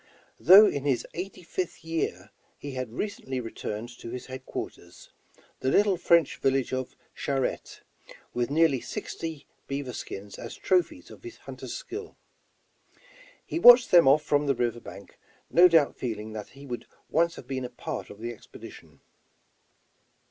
Though in his eighty fifth year, he had re cently returned to his headquarters, the little French village of Charette, with nearly sixty beaver skins as trophies of his hunter's skill. He watched them off from the river bank, no doubt feeling that he would once have been a part of the expedition.